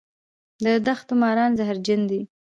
د دښتو ماران زهرجن دي